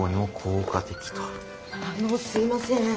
あのすいません。